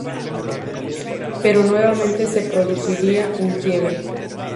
Pero nuevamente se produciría un quiebre.